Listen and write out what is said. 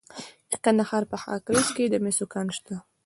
د کندهار په خاکریز کې د مسو کان شته.